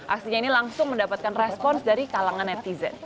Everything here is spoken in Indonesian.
aksinya ini langsung mendapatkan respons dari kalangan netizen